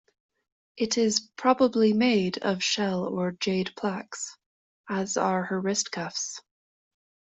It is probably made of shell or jade plaques, as are her wrist cuffs.